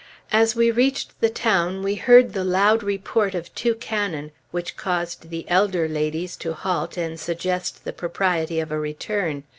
As we reached the town we heard the loud report of two cannon which caused the elder ladies to halt and suggest the propriety of a return.